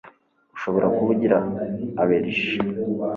Ushobora kuba ugira allergies